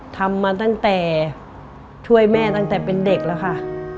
ทำมาตั้งแต่ช่วยแม่ตั้งแต่เป็นเด็กแล้วค่ะ